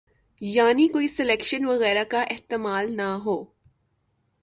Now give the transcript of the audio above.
یعنی کوئی سلیکشن وغیرہ کا احتمال نہ ہو۔